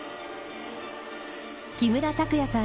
木村拓哉さん